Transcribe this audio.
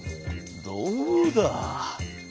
どうだ！